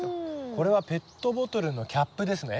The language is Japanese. これはペットボトルのキャップですね？